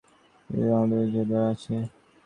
জেদি স্বভাবটা আমাদের দুজনেরই আছে।